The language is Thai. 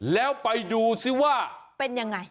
แล้วไปดูซิว่าเป็นยังไง